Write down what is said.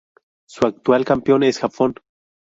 Su actual campeón es Japón.